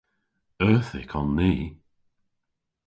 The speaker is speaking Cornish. Euthyk on ni.